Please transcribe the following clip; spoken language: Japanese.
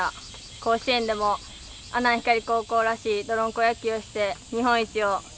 甲子園でも阿南光高校らしいどろんこ野球をして日本一を。